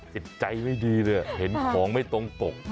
จิตใจไม่ดีเลยเห็นของไม่ตรงปก